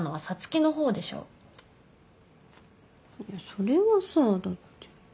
それはさだって。